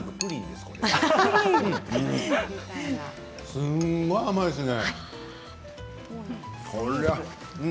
すごく甘いですね。